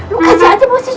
lu kasih aja bawa si sulam